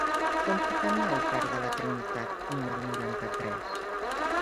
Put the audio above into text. Com puc anar al parc de la Trinitat número noranta-tres?